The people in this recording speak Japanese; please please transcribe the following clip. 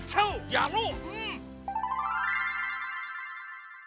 やろう！